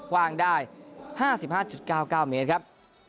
กว้างได้๕๕๙๙เมตรครับ